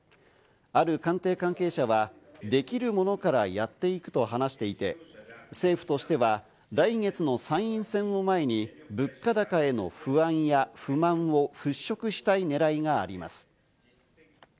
ある官邸関係者はできるものからやっていくと話していて、政府としては来月の参院選を前に物価高への不安や不満を払拭したい狙いがあります。